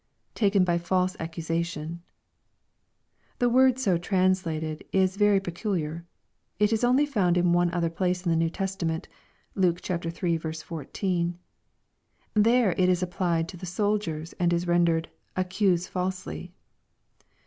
[Ihken by false acctisation.] The word so translated is very pe^ culiar. It is only found in one other place in the New Testament. (Luke iii. 14.) It is there applied to the soldiers, and is rendered, " accuse falsely."